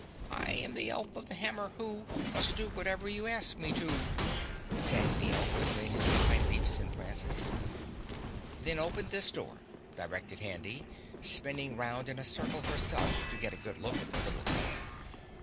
"I am the elf of the hammer, who Must do whatever you ask me to," sang the elf between his high leaps and prances. "Then open this door," directed Handy, spinning round in a circle herself to get a good look at the little fellow.